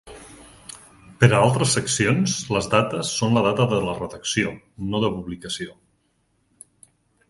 Per a altres seccions, les dates són la data de la redacció, no de publicació.